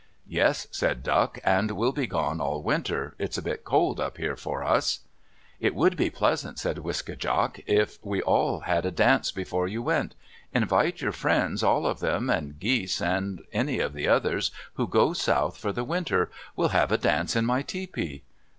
"Yes," said Duck, "and we'll be gone all winter. It's a bit cold up here for us." "It would be pleasant," said Wiske djak, "if we all had a dance before you went. Invite your friends, all of them, and Geese and any of the others who go south for the winter. We'll have a dance in my tepee."